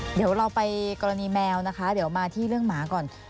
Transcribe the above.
เดี๋ยวเราไปกรณีแมวนะคะเดี๋ยวมาที่เรื่องหมาก่อน